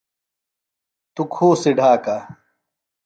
توۡ کُھوسیۡ ڈھاکہ۔